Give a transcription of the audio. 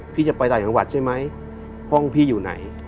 พี่จะไปต่างจังหวัดใช่ไหมห้องพี่อยู่ไหน